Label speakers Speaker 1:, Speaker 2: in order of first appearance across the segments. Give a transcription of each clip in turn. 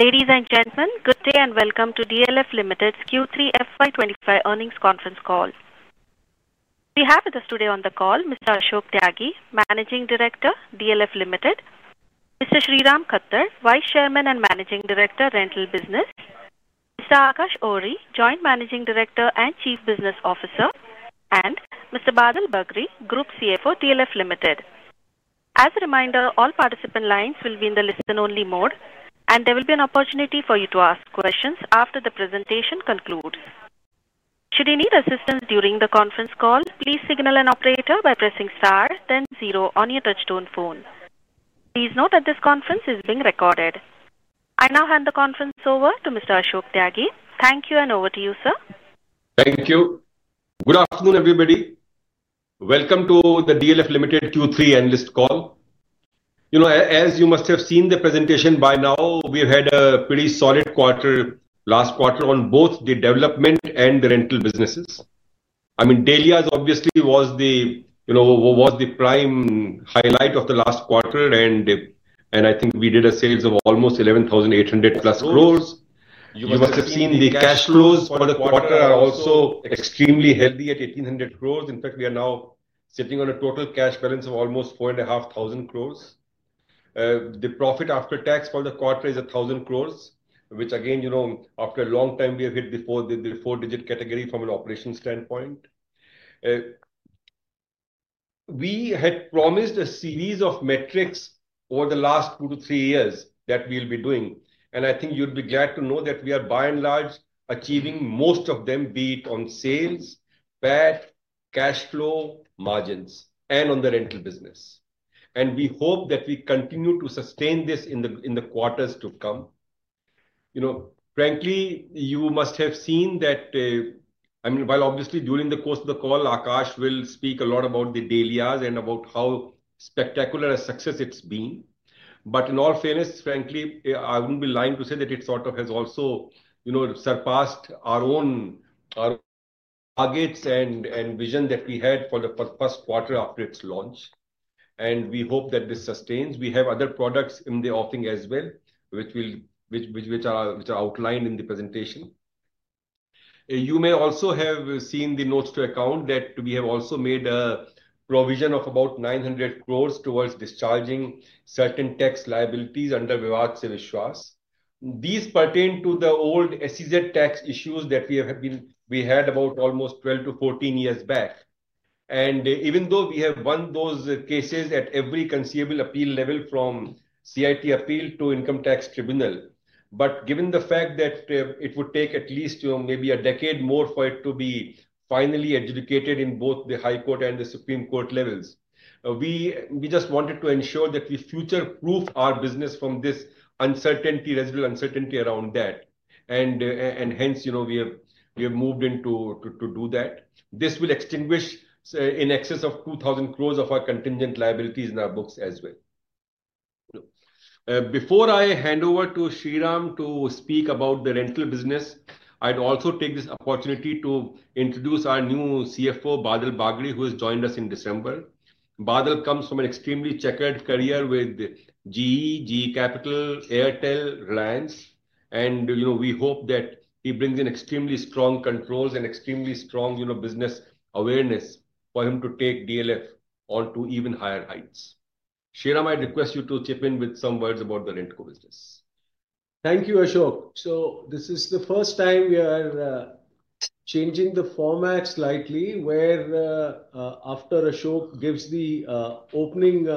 Speaker 1: Ladies and gentlemen, good day and welcome to DLF Limited's Q3FY25 earnings conference call. We have with us today on the call Mr. Ashok Tyagi, Managing Director, DLF Limited, Mr. Sriram Khattar, Vice Chairman and Managing Director, Rental Business, Mr. Aakash Ohri, Joint Managing Director and Chief Business Officer, and Mr. Badal Bagri, Group CFO, DLF Limited. As a reminder, all participant lines will be in the listen-only mode, and there will be an opportunity for you to ask questions after the presentation concludes. Should you need assistance during the conference call, please signal an operator by pressing star, then zero on your touch-tone phone. Please note that this conference is being recorded. I now hand the conference over to Mr. Ashok Tyagi. Thank you, and over to you, sir.
Speaker 2: Thank you. Good afternoon, everybody. Welcome to the DLF Limited Q3 Analyst Call. As you must have seen the presentation by now, we've had a pretty solid quarter, last quarter, on both the development and the rental businesses. I mean, Delhi, obviously, was the prime highlight of the last quarter, and I think we did a sales of almost 11,800+ crores. You must have seen the cash flows for the quarter are also extremely healthy at 1,800 crores. In fact, we are now sitting on a total cash balance of almost 4,500 crores. The profit after tax for the quarter is 1,000 crores, which, again, after a long time, we have hit the four-digit category from an operations standpoint. We had promised a series of metrics over the last two to three years that we'll be doing, and I think you'd be glad to know that we are, by and large, achieving most of them, be it on sales, PAT, cash flow, margins, and on the rental business. And we hope that we continue to sustain this in the quarters to come. Frankly, you must have seen that, I mean, while obviously during the course of the call, Aakash will speak a lot about the Dahlias and about how spectacular a success it's been. But in all fairness, frankly, I wouldn't be lying to say that it sort of has also surpassed our own targets and vision that we had for the first quarter after its launch. And we hope that this sustains. We have other products in the offering as well, which are outlined in the presentation. You may also have seen the notes to account that we have also made a provision of about 900 crores towards discharging certain tax liabilities under Vivad Se Vishwas. These pertain to the old SEZ tax issues that we had about almost 12-14 years back, and even though we have won those cases at every conceivable appeal level, from CIT appeal to income tax tribunal, but given the fact that it would take at least maybe a decade more for it to be finally adjudicated in both the High Court and the Supreme Court levels, we just wanted to ensure that we future-proof our business from this residual uncertainty around that, and hence, we have moved in to do that. This will extinguish in excess of 2,000 crores of our contingent liabilities in our books as well. Before I hand over to Sriram to speak about the rental business, I'd also take this opportunity to introduce our new CFO, Badal Bagri, who has joined us in December. Badal comes from an extremely checkered career with GE, GE Capital, Airtel, Reliance, and we hope that he brings in extremely strong controls and extremely strong business awareness for him to take DLF onto even higher heights. Sriram, I'd request you to chip in with some words about the rental business. Thank you, Ashok. So this is the first time we are changing the format slightly, where after Ashok gives the opening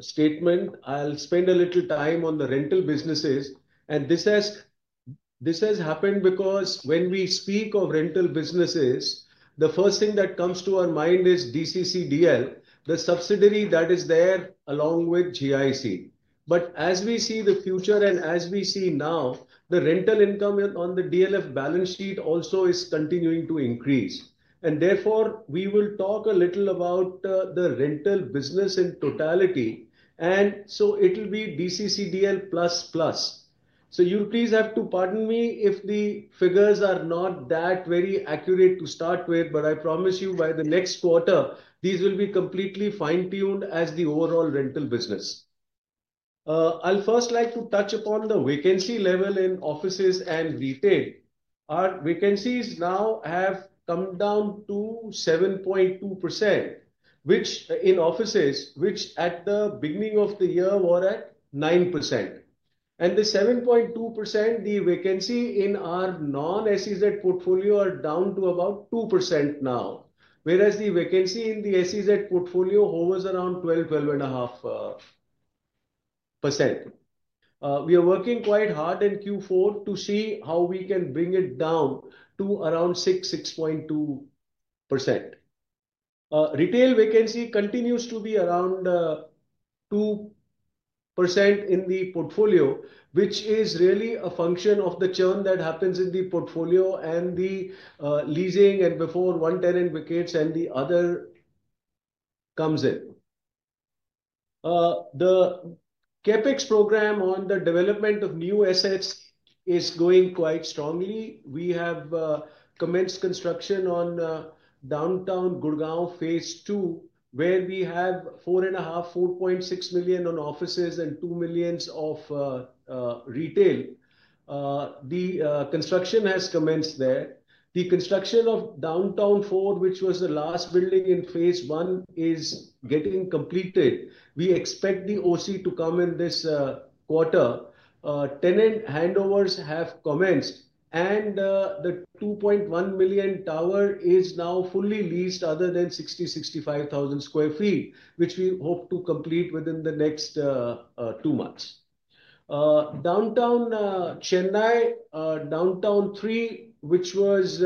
Speaker 2: statement, I'll spend a little time on the rental businesses. And this has happened because when we speak of rental businesses, the first thing that comes to our mind is DCCDL, the subsidiary that is there along with GIC. But as we see the future and as we see now, the rental income on the DLF balance sheet also is continuing to increase. And therefore, we will talk a little about the rental business in totality, and so it'll be DCCDL plus plus. So you please have to pardon me if the figures are not that very accurate to start with, but I promise you by the next quarter, these will be completely fine-tuned as the overall rental business. I'll first like to touch upon the vacancy level in offices and retail. Our vacancies now have come down to 7.2%, which in offices, which at the beginning of the year were at 9%. And the 7.2%, the vacancy in our non-SEZ portfolio are down to about 2% now, whereas the vacancy in the SEZ portfolio hovers around 12%-12.5%. We are working quite hard in Q4 to see how we can bring it down to around 6%-6.2%. Retail vacancy continues to be around 2% in the portfolio, which is really a function of the churn that happens in the portfolio and the leasing and before one tenant vacates and the other comes in. The CapEx program on the development of new assets is going quite strongly. We have commenced construction on Downtown Gurgaon Phase 2, where we have 4.5, 4.6 million on offices and 2 million of retail. The construction has commenced there. The construction of Downtown 4, which was the last building in Phase 1, is getting completed. We expect the OC to come in this quarter. Tenant handovers have commenced, and the 2.1 million tower is now fully leased, other than 60,000-65,000 sq ft, which we hope to complete within the next two months. Downtown Chennai, Downtown 3, which is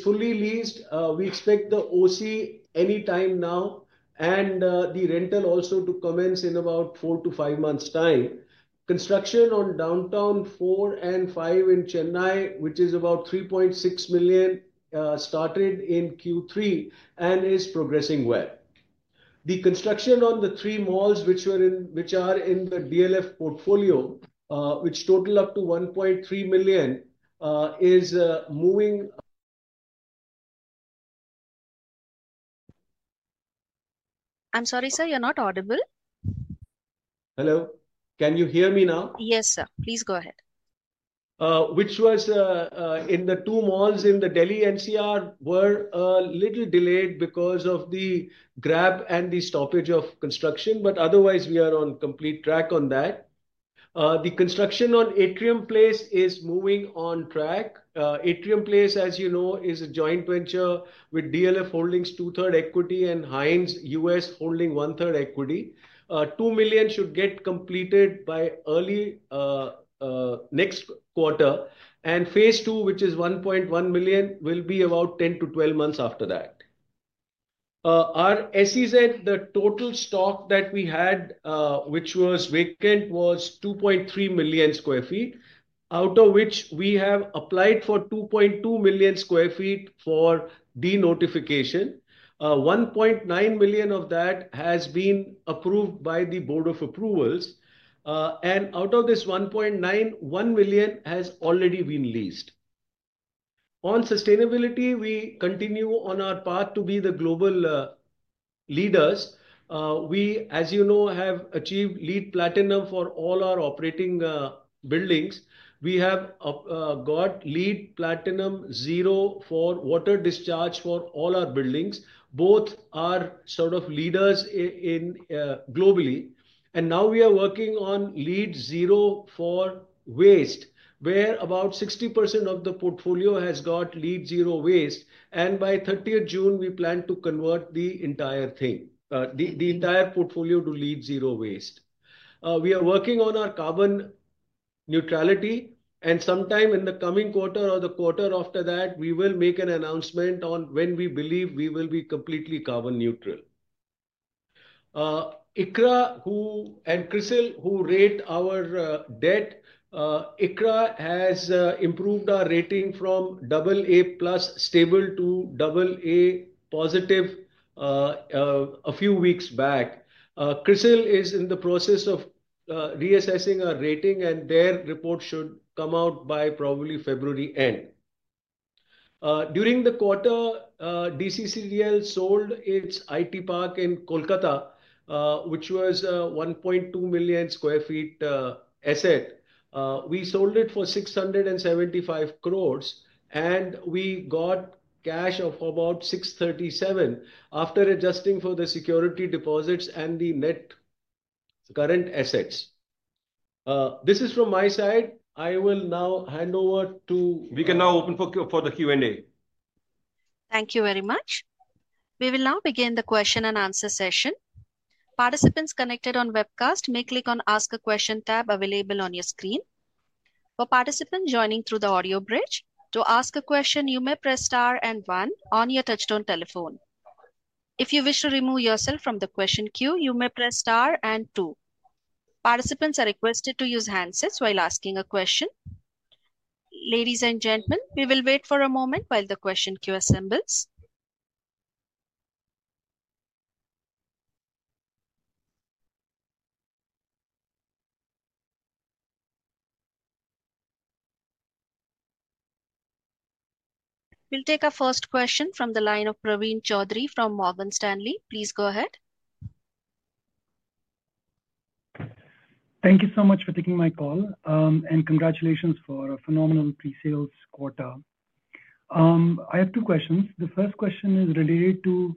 Speaker 2: fully leased, we expect the OC anytime now, and the rental also to commence in about four to five months' time. Construction on Downtown 4 and 5 in Chennai, which is about 3.6 million, started in Q3 and is progressing well. The construction on the three malls, which are in the DLF portfolio, which total up to 1.3 million, is moving.
Speaker 1: I'm sorry, sir, you're not audible.
Speaker 2: Hello? Can you hear me now?
Speaker 1: Yes, sir. Please go ahead.
Speaker 2: Which was in the two malls in the Delhi NCR, were a little delayed because of the GRAP and the stoppage of construction, but otherwise, we are on complete track on that. The construction on Atrium Place is moving on track. Atrium Place, as you know, is a joint venture with DLF Holdings two-third equity and Hines US Holding one-third equity. 2 million should get completed by early next quarter, and Phase 2, which is 1.1 million, will be about 10-12 months after that. Our SEZ, the total stock that we had, which was vacant, was 2.3 million sq ft, out of which we have applied for 2.2 million sq ft for denotification. 1.9 million of that has been approved by the Board of Approval, and out of this 1.9, 1 million has already been leased. On sustainability, we continue on our path to be the global leaders. We, as you know, have achieved LEED Platinum for all our operating buildings. We have got LEED Platinum Zero for water discharge for all our buildings. Both are sort of leaders globally. And now we are working on LEED Zero for waste, where about 60% of the portfolio has got LEED Zero Waste. And by 30th June, we plan to convert the entire thing, the entire portfolio to LEED Zero Waste. We are working on our carbon neutrality, and sometime in the coming quarter or the quarter after that, we will make an announcement on when we believe we will be completely carbon neutral. ICRA and CRISIL, who rate our debt, ICRA has improved our rating from AA plus stable to AA positive a few weeks back. CRISIL is in the process of reassessing our rating, and their report should come out by probably February end. During the quarter, DCCDL sold its IT park in Kolkata, which was a 1.2 million sq ft asset. We sold it for 675 crores, and we got cash of about 637 crores after adjusting for the security deposits and the net current assets. This is from my side. I will now hand over to. We can now open for the Q&A.
Speaker 1: Thank you very much. We will now begin the question and answer session. Participants connected on webcast may click on the Ask a Question tab available on your screen. For participants joining through the audio bridge, to ask a question, you may press star and one on your touchtone telephone. If you wish to remove yourself from the question queue, you may press star and two. Participants are requested to use handsets while asking a question. Ladies and gentlemen, we will wait for a moment while the question queue assembles. We'll take our first question from the line of Praveen Choudhary from Morgan Stanley. Please go ahead.
Speaker 3: Thank you so much for taking my call, and congratulations for a phenomenal pre-sales quarter. I have two questions. The first question is related to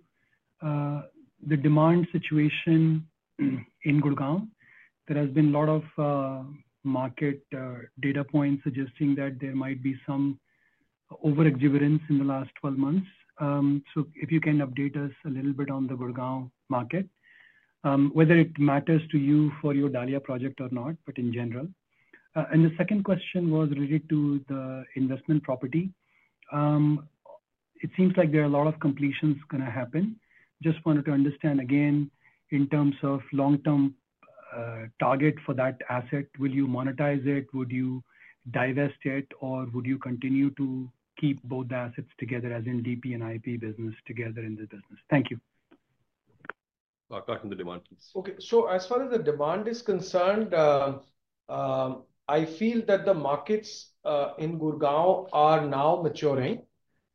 Speaker 3: the demand situation in Gurgaon. There has been a lot of market data points suggesting that there might be some overexuberance in the last 12 months. So if you can update us a little bit on the Gurgaon market, whether it matters to you for your Dahlias project or not, but in general. And the second question was related to the investment property. It seems like there are a lot of completions going to happen. Just wanted to understand again, in terms of long-term target for that asset, will you monetize it? Would you divest it? Or would you continue to keep both the assets together, as in DP and IP business together in the business? Thank you.
Speaker 4: Aakash, on the demand, please.
Speaker 2: Okay, so as far as the demand is concerned, I feel that the markets in Gurgaon are now maturing,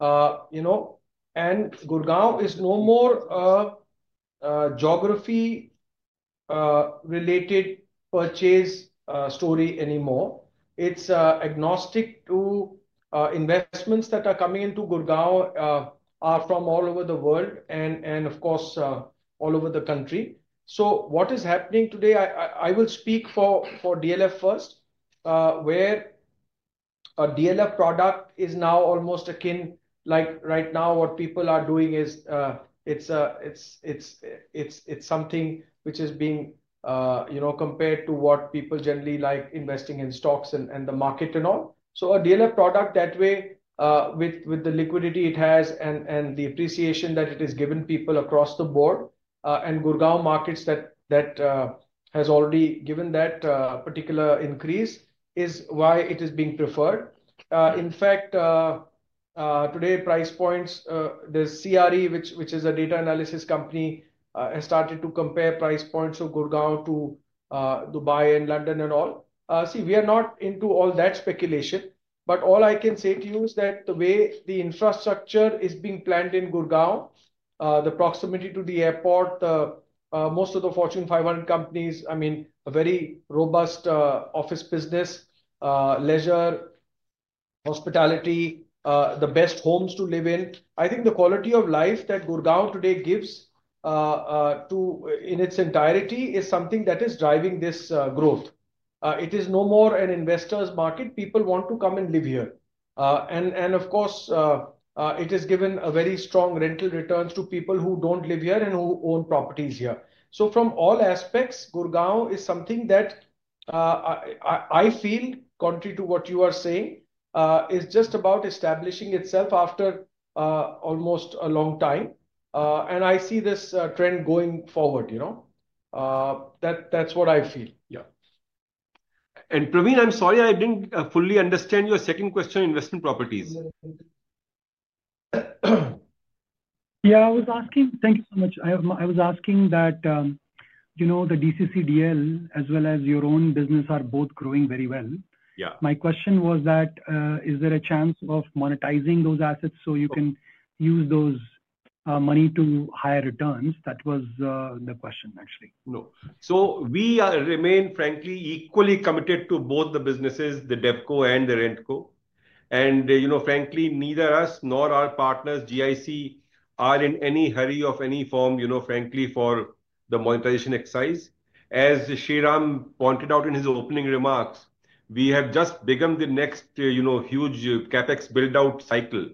Speaker 2: and Gurgaon is no more geography-related purchase story anymore. It's agnostic to investments that are coming into Gurgaon from all over the world and, of course, all over the country, so what is happening today, I will speak for DLF first, where a DLF product is now almost akin like right now what people are doing is it's something which is being compared to what people generally like investing in stocks and the market and all, so a DLF product that way, with the liquidity it has and the appreciation that it has given people across the board and Gurgaon markets that has already given that particular increase is why it is being preferred. In fact, today, price points, the CRE, which is a data analysis company, has started to compare price points of Gurugram to Dubai and London and all. See, we are not into all that speculation, but all I can say to you is that the way the infrastructure is being planned in Gurugram, the proximity to the airport, most of the Fortune 500 companies, I mean, a very robust office business, leisure, hospitality, the best homes to live in. I think the quality of life that Gurugram today gives in its entirety is something that is driving this growth. It is no more an investors' market. People want to come and live here, and of course, it has given a very strong rental returns to people who don't live here and who own properties here. So from all aspects, Gurgaon is something that I feel, contrary to what you are saying, is just about establishing itself after almost a long time. And I see this trend going forward. That's what I feel. Yeah. Praveen, I'm sorry, I didn't fully understand your second question, investment properties.
Speaker 5: Yeah, I was asking, thank you so much. I was asking that the DCCDL, as well as your own business, are both growing very well. My question was that, is there a chance of monetizing those assets so you can use those money to higher returns? That was the question, actually.
Speaker 2: No. So we remain, frankly, equally committed to both the businesses, the DEVCO and the RENTCO. And frankly, neither us nor our partners, GIC, are in any hurry of any form, frankly, for the monetization exercise. As Sriram pointed out in his opening remarks, we have just begun the next huge CapEx build-out cycle.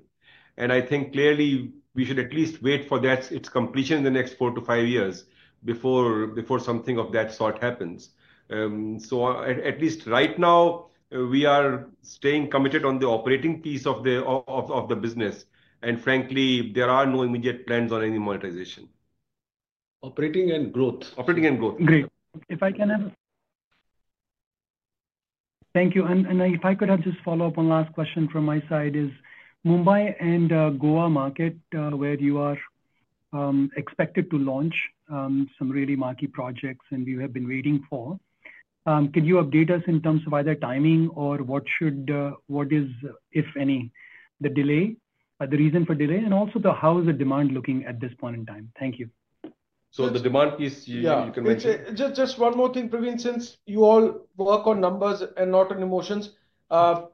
Speaker 2: And I think clearly we should at least wait for its completion in the next four to five years before something of that sort happens. So at least right now, we are staying committed on the operating piece of the business. And frankly, there are no immediate plans on any monetization. Operating and growth.
Speaker 6: Operating and growth.
Speaker 3: Great. If I can have. Thank you. And if I could have just follow-up one last question from my side is Mumbai and Goa market, where you are expected to launch some really marquee projects and you have been waiting for. Could you update us in terms of either timing or what is, if any, the delay, the reason for delay, and also how is the demand looking at this point in time? Thank you.
Speaker 4: So the demand piece, you can mention.
Speaker 2: Just one more thing, Praveen, since you all work on numbers and not on emotions. Basically,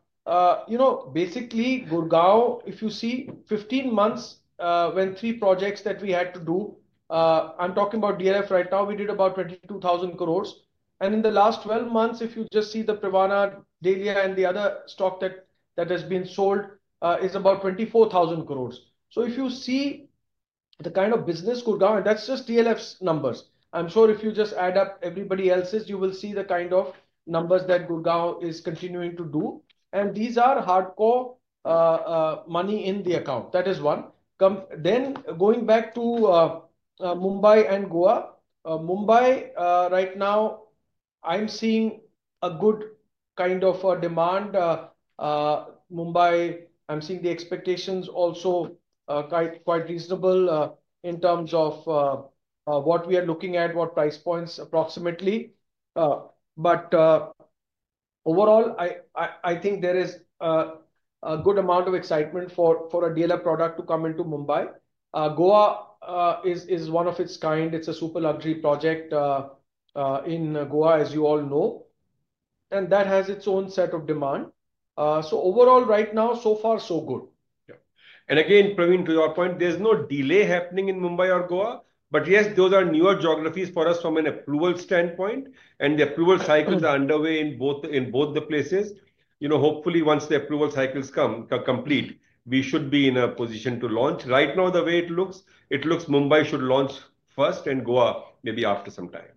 Speaker 2: Gurgaon, if you see 15 months when three projects that we had to do, I'm talking about DLF right now, we did about 22,000 crores, and in the last 12 months, if you just see the Privana, Dahlias, and The Arbour that has been sold, it's about 24,000 crores, so if you see the kind of business Gurgaon, and that's just DLF's numbers. I'm sure if you just add up everybody else's, you will see the kind of numbers that Gurgaon is continuing to do, and these are hardcore money in the account. That is one, then going back to Mumbai and Goa, Mumbai right now, I'm seeing a good kind of demand. Mumbai, I'm seeing the expectations also quite reasonable in terms of what we are looking at, what price points approximately. But overall, I think there is a good amount of excitement for a DLF product to come into Mumbai. Goa is one of its kind. It's a super luxury project in Goa, as you all know. And that has its own set of demand. So overall, right now, so far, so good. Yeah. And again, Praveen, to your point, there's no delay happening in Mumbai or Goa. But yes, those are newer geographies for us from an approval standpoint. And the approval cycles are underway in both the places. Hopefully, once the approval cycles come complete, we should be in a position to launch. Right now, the way it looks, it looks Mumbai should launch first and Goa maybe after some time.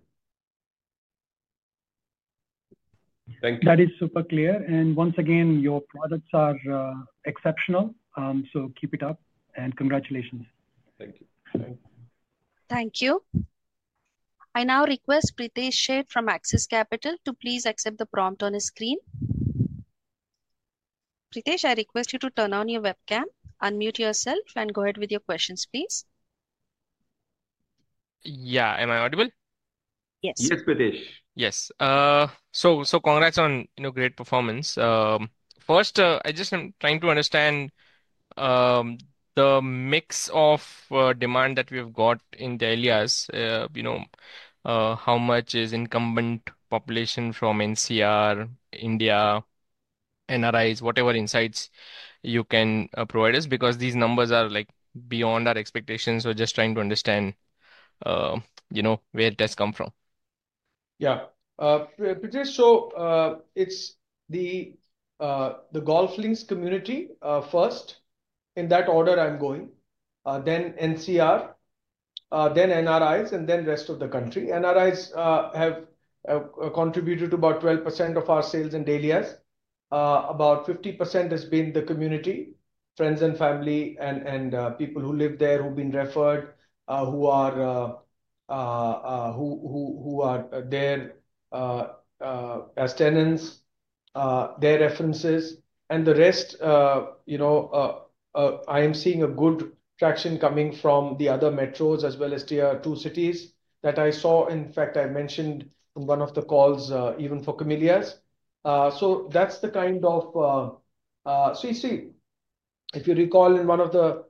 Speaker 2: Thank you.
Speaker 5: That is super clear. And once again, your products are exceptional. So keep it up. And congratulations.
Speaker 4: Thank you.
Speaker 1: Thank you. I now request Pritesh Sheth from Axis Capital to please accept the prompt on his screen. Pritesh, I request you to turn on your webcam, unmute yourself, and go ahead with your questions, please.
Speaker 3: Yeah. Am I audible?
Speaker 1: Yes.
Speaker 4: Yes, Pritesh.
Speaker 3: Yes. So congrats on great performance. First, I just am trying to understand the mix of demand that we have got in Dahlias, how much is incumbent population from NCR, India, NRIs, whatever insights you can provide us, because these numbers are beyond our expectations. We're just trying to understand where it has come from.
Speaker 2: Yeah. Pritesh, so it's the Golf Links community first. In that order, I'm going. Then NCR, then NRIs, and then rest of the country. NRIs have contributed to about 12% of our sales in Dahlias. About 50% has been the community, friends and family, and people who live there who've been referred, who are there as tenants, their references. And the rest, I am seeing a good traction coming from the other metros as well as tier two cities that I saw. In fact, I mentioned in one of the calls even for Camellias. So that's the kind of so you see, if you recall in one of the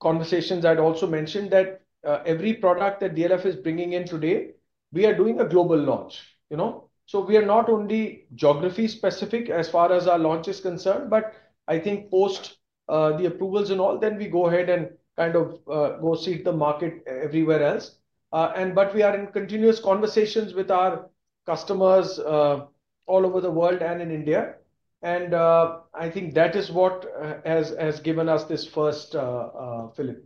Speaker 2: conversations, I'd also mentioned that every product that DLF is bringing in today, we are doing a global launch. So we are not only geography-specific as far as our launch is concerned, but I think post the approvals and all, then we go ahead and kind of go seed the market everywhere else. But we are in continuous conversations with our customers all over the world and in India. And I think that is what has given us this first filling.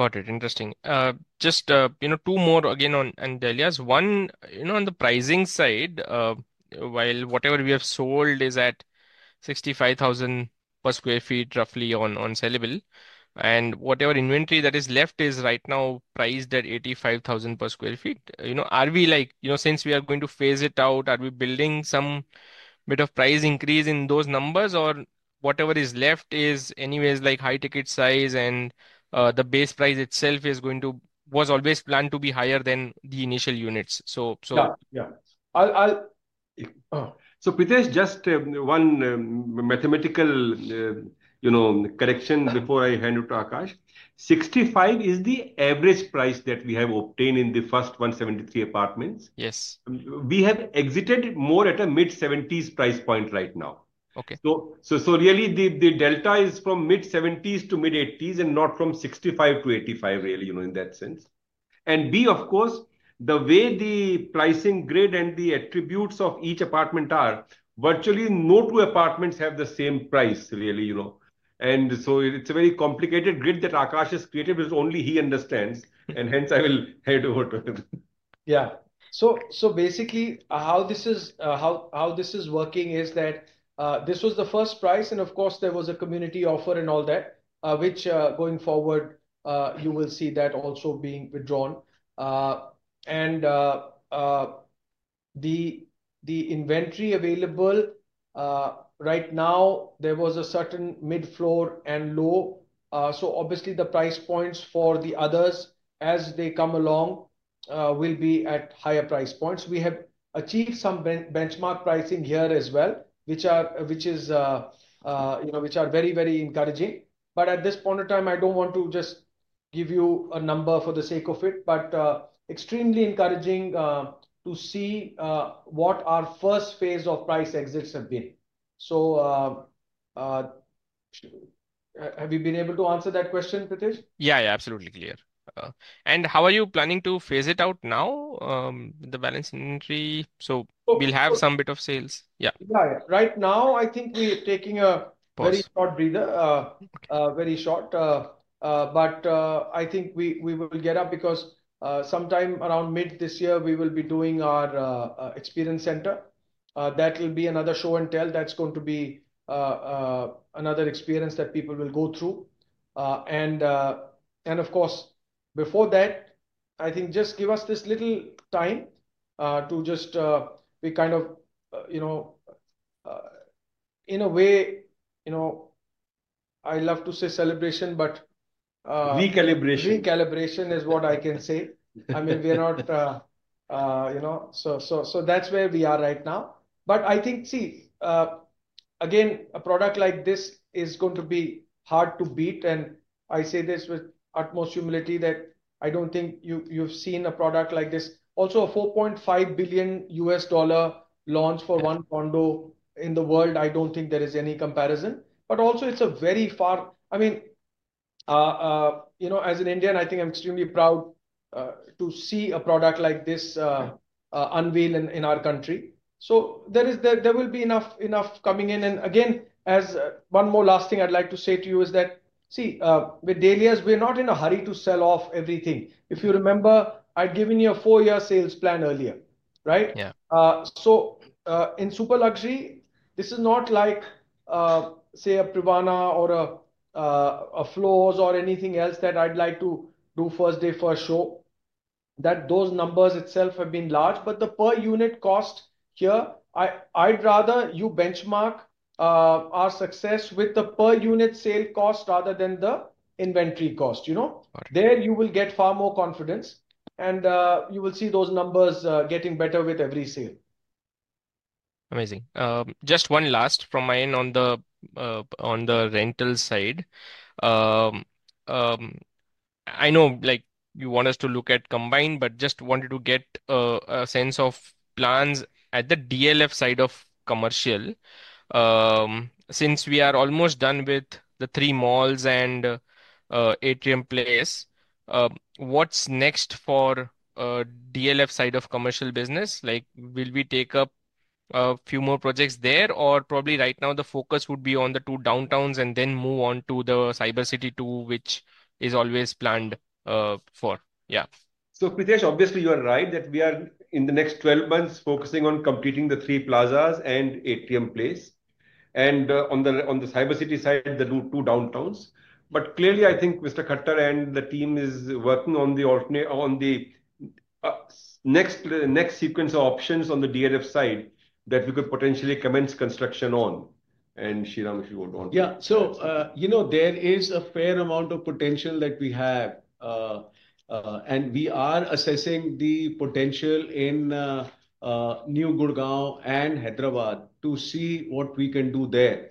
Speaker 3: Got it. Interesting. Just two more again on Dahlias. One, on the pricing side, while whatever we have sold is at 65,000 per sq ft roughly on saleable, and whatever inventory that is left is right now priced at 85,000 per sq ft, are we like, since we are going to phase it out, are we building some bit of price increase in those numbers? Or whatever is left is anyways like high ticket size and the base price itself was always planned to be higher than the initial units. So.
Speaker 6: Yeah. So Pritesh, just one mathematical correction before I hand it to Aakash. 65 is the average price that we have obtained in the first 173 apartments. We have exited more at a mid-70s price point right now. So really, the delta is from mid-70s to mid-80s and not from 65 to 85 really in that sense. And B, of course, the way the pricing grid and the attributes of each apartment are, virtually no two apartments have the same price really. And so it's a very complicated grid that Aakash has created because only he understands. And hence, I will hand over to him.
Speaker 2: Yeah. So basically, how this is working is that this was the first price. And of course, there was a community offer and all that, which going forward, you will see that also being withdrawn. And the inventory available right now, there was a certain mid-floor and low. So obviously, the price points for the others as they come along will be at higher price points. We have achieved some benchmark pricing here as well, which is very, very encouraging. But at this point of time, I don't want to just give you a number for the sake of it, but extremely encouraging to see what our first phase of price exits have been. So have you been able to answer that question, Pritesh?
Speaker 3: Yeah, yeah. Absolutely clear. And how are you planning to phase it out now, the balance inventory? So we'll have some bit of sales. Yeah.
Speaker 2: Right now, I think we're taking a very short breather, very short. But I think we will get up because sometime around mid this year, we will be doing our experience center. That will be another show and tell. That's going to be another experience that people will go through. And of course, before that, I think just give us this little time to just be kind of in a way, I love to say celebration, but. Recalibration. Recalibration is what I can say. I mean, we are not, so that's where we are right now, but I think, see, again, a product like this is going to be hard to beat, and I say this with utmost humility that I don't think you've seen a product like this. Also, a $4.5 billion launch for one condo in the world, I don't think there is any comparison, but also, it's a very fair, I mean, as an Indian, I think I'm extremely proud to see a product like this unveiled in our country, so there will be enough coming in. And again, one more last thing I'd like to say to you is that, see, with Dahlias, we're not in a hurry to sell off everything. If you remember, I'd given you a four-year sales plan earlier, right? In super luxury, this is not like, say, a Privana or a Floors or anything else that I'd like to do first day, first show. Those numbers itself have been large. But the per unit cost here, I'd rather you benchmark our success with the per unit sale cost rather than the inventory cost. There you will get far more confidence. You will see those numbers getting better with every sale.
Speaker 3: Amazing. Just one last from my end on the rental side. I know you want us to look at combined, but just wanted to get a sense of plans at the DLF side of commercial. Since we are almost done with the three malls and Atrium Place, what's next for DLF side of commercial business? Will we take up a few more projects there? Or probably right now, the focus would be on the two Downtowns and then move on to the Cyber City 2, which is always planned for. Yeah.
Speaker 4: So Pritesh, obviously, you are right that we are in the next 12 months focusing on completing the three plazas and Atrium Place. And on the Cyber City side, the two Downtowns. But clearly, I think Mr. Khattar and the team is working on the next sequence of options on the DLF side that we could potentially commence construction on. And Sriram, if you would want to.
Speaker 6: Yeah, so there is a fair amount of potential that we have, and we are assessing the potential in New Gurgaon and Hyderabad to see what we can do there.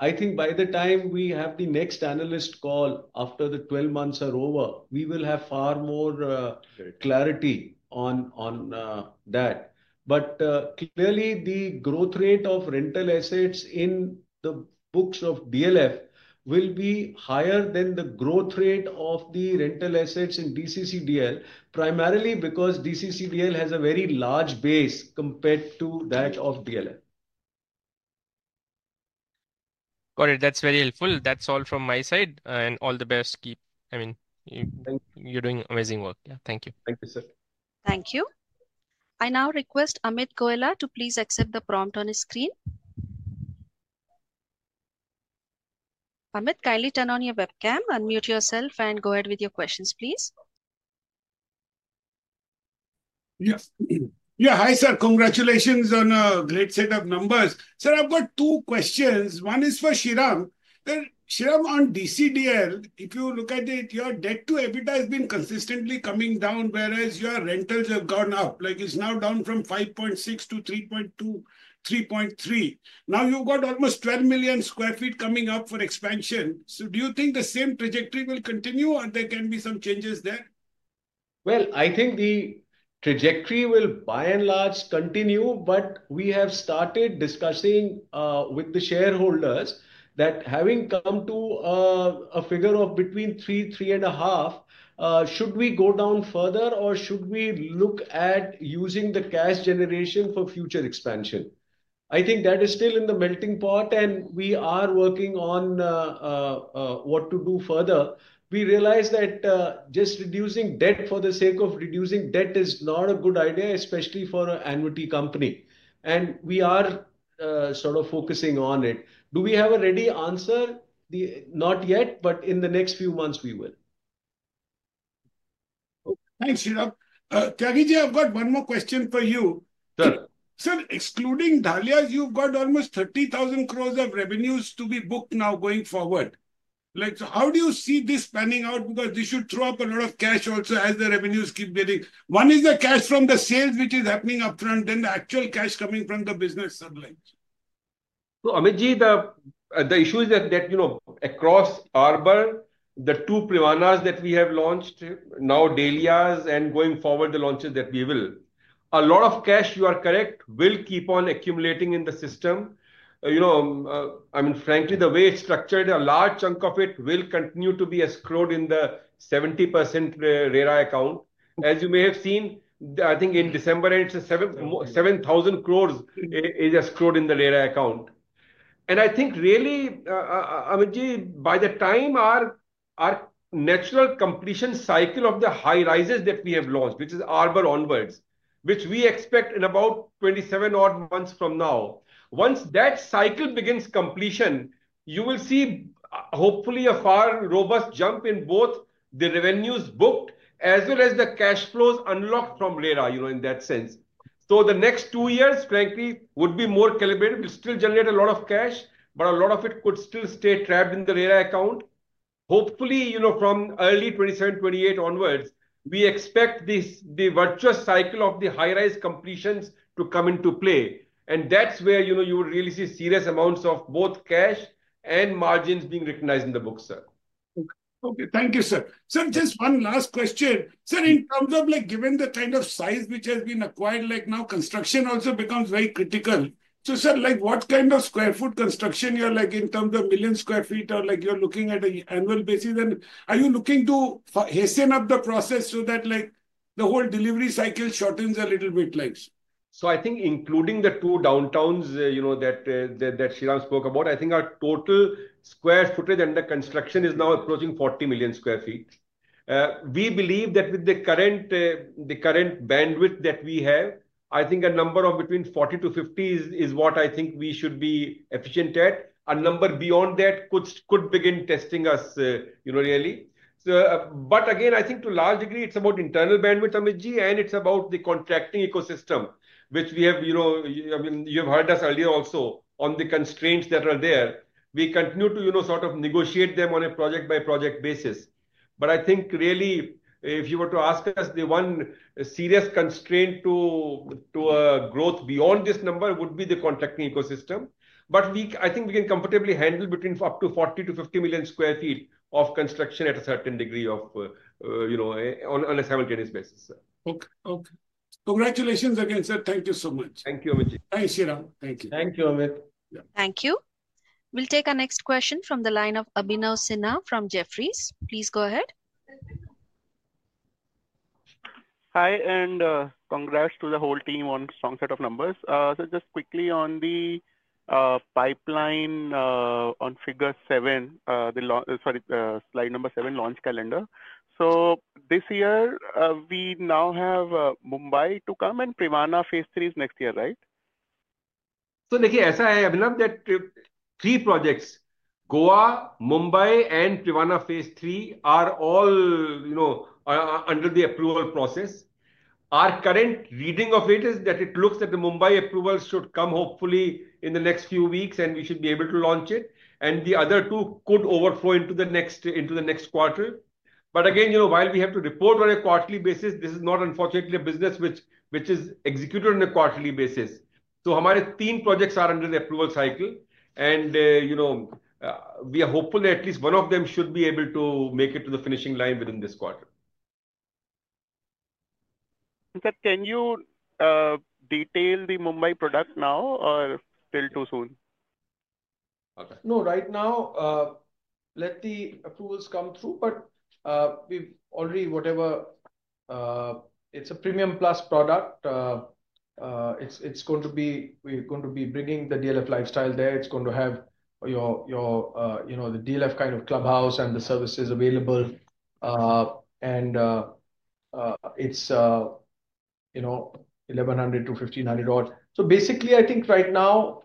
Speaker 6: I think by the time we have the next analyst call after the 12 months are over, we will have far more clarity on that, but clearly, the growth rate of rental assets in the books of DLF will be higher than the growth rate of the rental assets in DCCDL, primarily because DCCDL has a very large base compared to that of DLF.
Speaker 3: Got it. That's very helpful. That's all from my side and all the best. I mean, you're doing amazing work. Yeah. Thank you.
Speaker 4: Thank you, sir.
Speaker 1: Thank you. I now request Amit Goela to please accept the prompt on his screen. Amit, kindly turn on your webcam, unmute yourself, and go ahead with your questions, please.
Speaker 7: Yeah. Hi, sir. Congratulations on a great set of numbers. Sir, I've got two questions. One is for Sriram. Sriram, on DCCDL, if you look at it, your debt to EBITDA has been consistently coming down, whereas your rentals have gone up. It's now down from 5.6-3.2, 3.3. Now you've got almost 12 million sq ft coming up for expansion. So do you think the same trajectory will continue, or there can be some changes there?
Speaker 6: I think the trajectory will by and large continue. But we have started discussing with the shareholders that having come to a figure of between 3, 3.5, should we go down further, or should we look at using the cash generation for future expansion? I think that is still in the melting pot, and we are working on what to do further. We realize that just reducing debt for the sake of reducing debt is not a good idea, especially for an annuity company. We are sort of focusing on it. Do we have a ready answer? Not yet, but in the next few months, we will.
Speaker 7: Thanks, Sriram. Khattar, I've got one more question for you. Sir, excluding Dahlias, you've got almost 30,000 crores of revenues to be booked now going forward. How do you see this panning out? Because this should throw up a lot of cash also as the revenues keep getting. One is the cash from the sales which is happening upfront, then the actual cash coming from the business side.
Speaker 6: So Amit, the issue is that across Arbour, the two Privanas that we have launched now, Dahlias, and going forward, the launches that we will, a lot of cash, you are correct, will keep on accumulating in the system. I mean, frankly, the way it's structured, a large chunk of it will continue to be escrowed in the 70% RERA account. As you may have seen, I think in December, 7,000 crores is escrowed in the RERA account. And I think really, Amit, by the time our natural completion cycle of the high rises that we have launched, which is Arbour onwards, which we expect in about 27 odd months from now, once that cycle begins completion, you will see hopefully a far robust jump in both the revenues booked as well as the cash flows unlocked from RERA in that sense. So the next two years, frankly, would be more calibrated. We'll still generate a lot of cash, but a lot of it could still stay trapped in the RERA account. Hopefully, from early 2027, 2028 onwards, we expect the virtuous cycle of the high-rise completions to come into play. And that's where you would really see serious amounts of both cash and margins being recognized in the books, sir.
Speaker 7: Okay. Thank you, sir. Sir, just one last question. Sir, in terms of given the kind of size which has been acquired, now construction also becomes very critical. So sir, what kind of square foot construction in terms of million sq ft or you're looking at an annual basis? And are you looking to hasten up the process so that the whole delivery cycle shortens a little bit?
Speaker 6: So I think including the two Downtowns that Sriram spoke about, I think our total square footage under construction is now approaching 40 million sq ft. We believe that with the current bandwidth that we have, I think a number of between 40 to 50 is what I think we should be efficient at. A number beyond that could begin testing us really. But again, I think to a large degree, it's about internal bandwidth, Amitji, and it's about the contracting ecosystem, which you have heard us earlier also on the constraints that are there. We continue to sort of negotiate them on a project-by-project basis. But I think really, if you were to ask us, the one serious constraint to growth beyond this number would be the contracting ecosystem. But I think we can comfortably handle between up to 40-50 million sq ft of construction at a certain degree on a simultaneous basis.
Speaker 7: Okay. Congratulations again, sir. Thank you so much.
Speaker 6: Thank you, Amitji.
Speaker 7: Thanks, Sriram. Thank you.
Speaker 2: Thank you, Amit.
Speaker 1: Thank you. We'll take our next question from the line of Abhinav Sinha from Jefferies. Please go ahead.
Speaker 8: Hi, and congrats to the whole team on strong set of numbers. So just quickly on the pipeline on figure seven, sorry, slide number seven launch calendar. So this year, we now have Mumbai to come and Privana phase three is next year, right?
Speaker 2: So look, it's Aakash Ohri, three projects, Goa, Mumbai, and Privana phase three are all under the approval process. Our current reading of it is that it looks that the Mumbai approval should come hopefully in the next few weeks, and we should be able to launch it. And the other two could overflow into the next quarter. But again, while we have to report on a quarterly basis, this is not, unfortunately, a business which is executed on a quarterly basis. So our three projects are under the approval cycle. And we are hopeful that at least one of them should be able to make it to the finishing line within this quarter.
Speaker 8: Can you detail the Mumbai product now, or still too soon?
Speaker 2: No, right now, let the approvals come through. But already, whatever, it's a premium-plus product. It's going to be we're going to be bringing the DLF lifestyle there. It's going to have the DLF kind of clubhouse and the services available. And it's 1,100-1,500 odd. So basically, I think right now,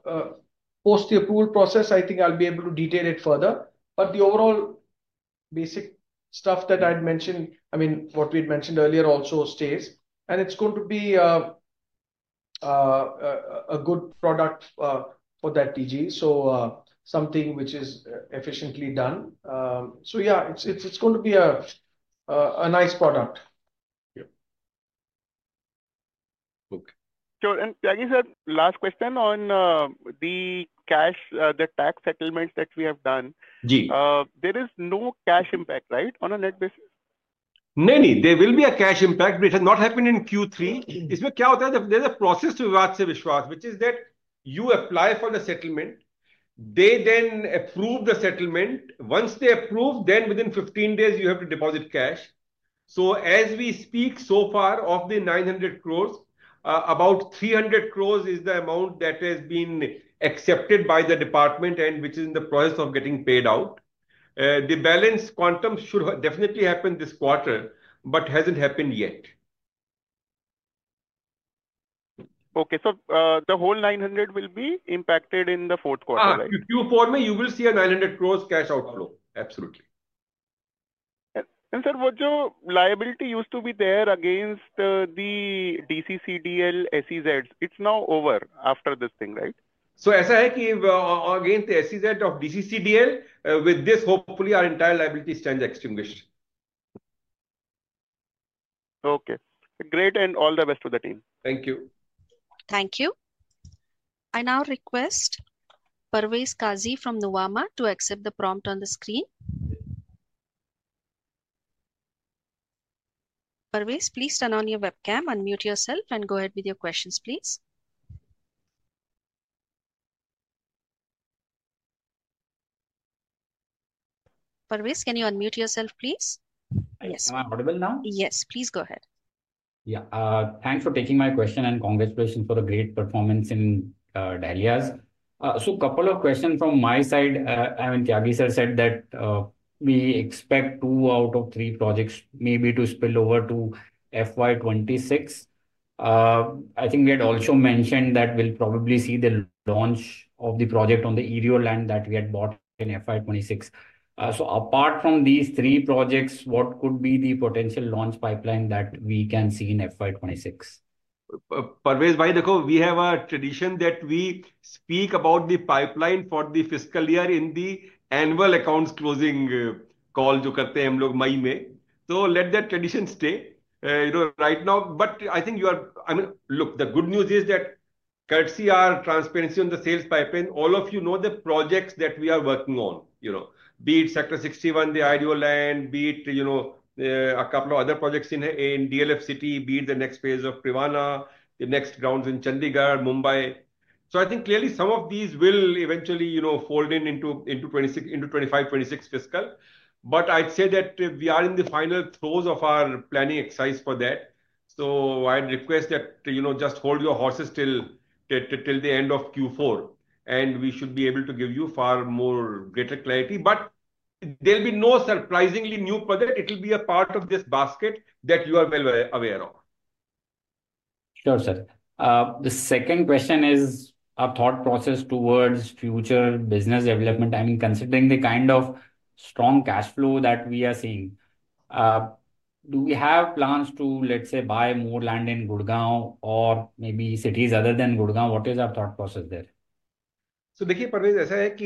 Speaker 2: post the approval process, I think I'll be able to detail it further. But the overall basic stuff that I'd mentioned, I mean, what we had mentioned earlier also stays. And it's going to be a good product for that TG, so something which is efficiently done. So yeah, it's going to be a nice product.
Speaker 8: Okay. And Tyagi ji, sir, last question on the cash, the tax settlements that we have done. There is no cash impact, right, on a net basis?
Speaker 4: Maybe, there will be a cash impact, but it has not happened in Q3. It's been a process of Vivad Se Vishwas, which is that you apply for the settlement. They then approve the settlement. Once they approve, then within 15 days, you have to deposit cash. So as we speak so far of the 900 crores, about 300 crores is the amount that has been accepted by the department and which is in the process of getting paid out. The balance quantum should definitely happen this quarter, but hasn't happened yet.
Speaker 8: Okay. So the whole 900 will be impacted in the fourth quarter, right?
Speaker 2: In Q4, you will see a 900 crore cash outflow, absolutely.
Speaker 8: Sir, what's your liability used to be there against the DCCDL SEZs? It's now over after this thing, right?
Speaker 2: So it's like again, the SEZ of DCCDL with this, hopefully, our entire liability stands extinguished.
Speaker 8: Okay. Great. And all the best to the team.
Speaker 2: Thank you.
Speaker 1: Thank you. I now request Parvez Qazi from Nuvama to accept the prompt on the screen. Parvez, please turn on your webcam, unmute yourself, and go ahead with your questions, please. Parvez, can you unmute yourself, please?
Speaker 9: Am I audible now?
Speaker 1: Yes, please go ahead.
Speaker 9: Yeah. Thanks for taking my question and congratulations for the great performance in Dahlias. So a couple of questions from my side. I mean, Tyagi ji sir said that we expect two out of three projects maybe to spill over to FY26. I think we had also mentioned that we'll probably see the launch of the project on the IREO land that we had bought in FY26. So apart from these three projects, what could be the potential launch pipeline that we can see in FY26? Parvez, by the way, we have a tradition that we speak about the pipeline for the fiscal year in the annual accounts closing call, which we do in May. So let that tradition stay right now. But I think you are, I mean, look, the good news is that courtesy of our transparency on the sales pipeline.
Speaker 4: All of you know the projects that we are working on, be it Sector 61, the IREO land, be it a couple of other projects in DLF City, be it the next phase of Privana, the next grounds in Chandigarh, Mumbai. So I think clearly some of these will eventually fold into 25, 26 fiscal. But I'd say that we are in the final throes of our planning exercise for that. So I'd request that just hold your horses till the end of Q4, and we should be able to give you far more greater clarity. But there'll be no surprisingly new project. It'll be a part of this basket that you are well aware of.
Speaker 9: Sure, sir. The second question is our thought process towards future business development. I mean, considering the kind of strong cash flow that we are seeing, do we have plans to, let's say, buy more land in Gurgaon or maybe cities other than Gurgaon? What is our thought process there?
Speaker 2: So look, Parvez, it's like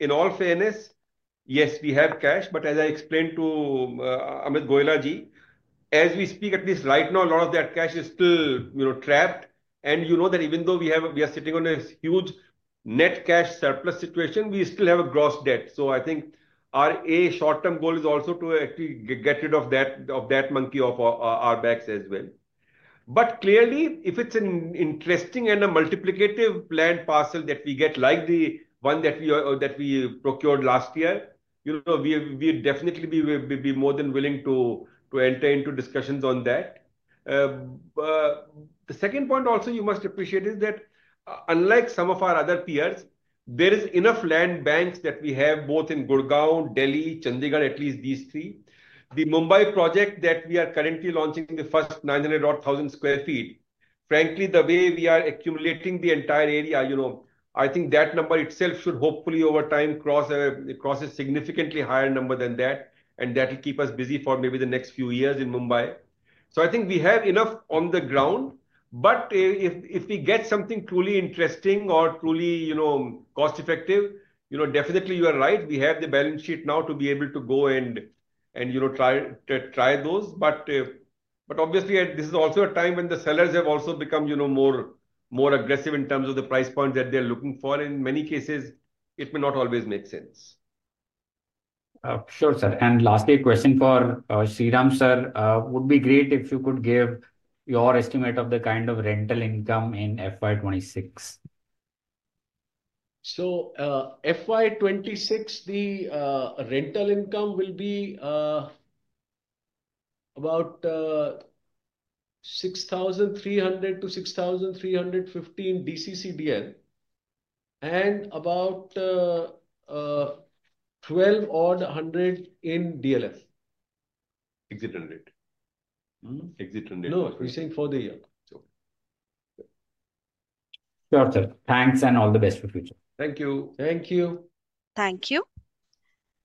Speaker 2: in all fairness, yes, we have cash. But as I explained to Amit Goela ji, as we speak, at least right now, a lot of that cash is still trapped. And you know that even though we are sitting on a huge net cash surplus situation, we still have a gross debt. So I think our short-term goal is also to actually get rid of that monkey off our backs as well. But clearly, if it's an interesting and a multiplicative land parcel that we get, like the one that we procured last year, we definitely will be more than willing to enter into discussions on that. The second point also you must appreciate is that unlike some of our other peers, there is enough land banks that we have both in Gurgaon, Delhi, Chandigarh, at least these three. The Mumbai project that we are currently launching, the first 900 odd thousand sq ft, frankly, the way we are accumulating the entire area, I think that number itself should hopefully over time cross a significantly higher number than that, and that will keep us busy for maybe the next few years in Mumbai. I think we have enough on the ground, but if we get something truly interesting or truly cost-effective, definitely, you are right. We have the balance sheet now to be able to go and try those, but obviously, this is also a time when the sellers have also become more aggressive in terms of the price point that they're looking for. In many cases, it may not always make sense. Sure, sir. And lastly, a question for Sriram sir. It would be great if you could give your estimate of the kind of rental income in FY26. So FY26, the rental income will be about 6,300 to 6,350 in DCCDL and about 12 odd hundred in DLF. Exit 100. Exit 100. No, we're saying for the year. Sure, sir. Thanks and all the best for the future. Thank you. Thank you.
Speaker 1: Thank you.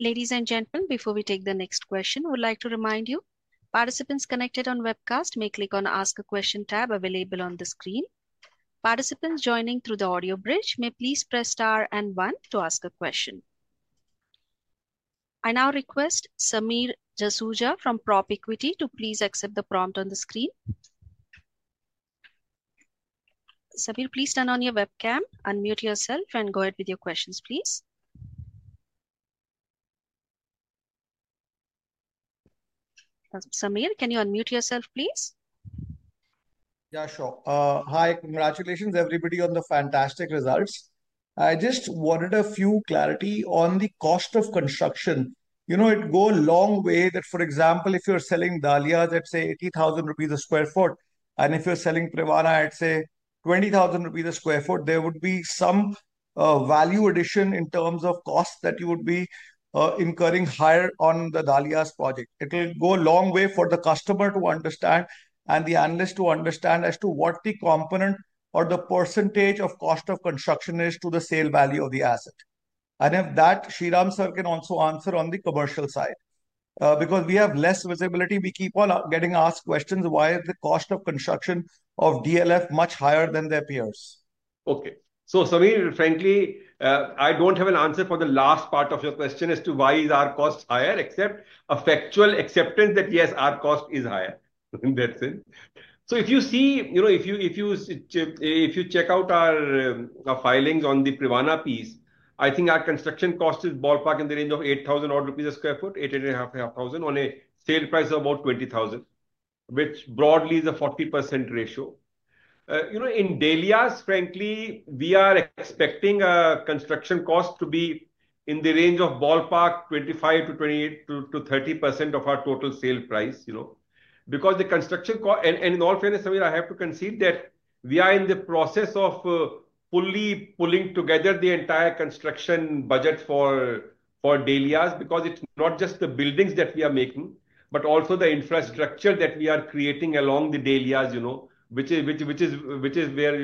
Speaker 1: Ladies and gentlemen, before we take the next question, we'd like to remind you, participants connected on Vivcast may click on the Ask a Question tab available on the screen. Participants joining through the audio bridge may please press star and one to ask a question. I now request Sameer Jasuja from PropEquity to please accept the prompt on the screen. Samir, please turn on your webcam, unmute yourself, and go ahead with your questions, please. Sameer, can you unmute yourself, please?
Speaker 10: Yeah, sure. Hi, congratulations everybody on the fantastic results. I just wanted a few clarity on the cost of construction. It goes a long way that, for example, if you're selling Dahlias, let's say, 80,000 rupees a sq ft, and if you're selling Privana, I'd say 20,000 rupees a sq ft, there would be some value addition in terms of cost that you would be incurring higher on the Dahlias' project. It'll go a long way for the customer to understand and the analyst to understand as to what the component or the percentage of cost of construction is to the sale value of the asset. And if that, Sriram sir can also answer on the commercial side. Because we have less visibility, we keep on getting asked questions why is the cost of construction of DLF much higher than their peers. Okay.
Speaker 2: Samir, frankly, I don't have an answer for the last part of your question as to why is our cost higher, except a factual acceptance that yes, our cost is higher in that sense. If you see, if you check out our filings on the Privana piece, I think our construction cost is ballpark in the range of 8,000 rupees odd per sq ft, 8,500 on a sale price of about 20,000, which broadly is a 40% ratio. In Dahlias, frankly, we are expecting construction cost to be in the range of ballpark 25%-30% of our total sale price. Because the construction cost, and in all fairness, Samir, I have to concede that we are in the process of fully pulling together the entire construction budget for Dahlias because it's not just the buildings that we are making, but also the infrastructure that we are creating along the Dahlias, which is where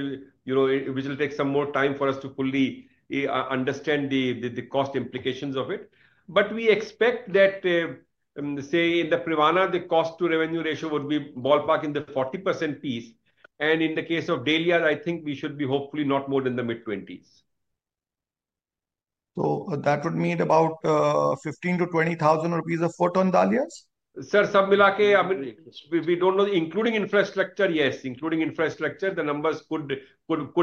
Speaker 2: it will take some more time for us to fully understand the cost implications of it. But we expect that, say, in the Privana, the cost to revenue ratio would be ballpark in the 40% piece. And in the case of Dahlias, I think we should be hopefully not more than the mid-20s. So that would mean about 15,000-20,000 rupees a sq ft on Dahlias? Sir, Samir look, I mean, we don't know, including infrastructure, yes, including infrastructure, the numbers could